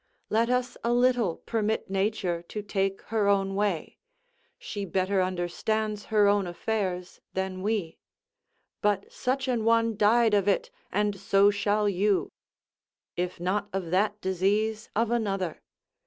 Let us a little permit Nature to take her own way; she better understands her own affairs than we. But such an one died of it; and so shall you: if not of that disease, of another.